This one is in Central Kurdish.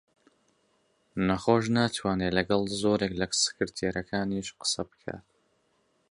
نەخۆش ناتوانێ لەگەڵ زۆرێک لە سکرتێرەکانیش قسە بکا